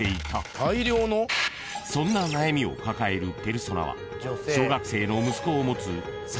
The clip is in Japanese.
［そんな悩みを抱えるペルソナは］